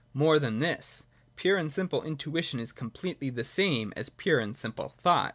More than this. Pure and simple intui tion is completely the same as pure and simple thought.